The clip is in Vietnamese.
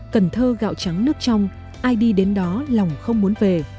cần thơ gạo trắng nước trong ai đi đến đó lòng không muốn về